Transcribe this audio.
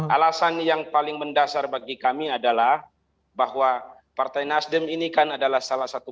alasan yang paling mendasar bagi kami adalah bahwa partai nasdem ini kan adalah salah satu